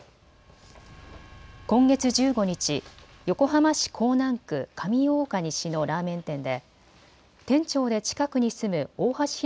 今月１５日、横浜市港南区上大岡西のラーメン店で店長で近くに住む大橋弘